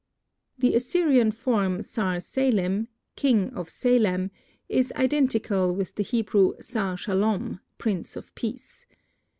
The Assyrian form, Sar Salim, "King of Salem," is identical with the Hebrew Sar Shalom, "Prince of Peace."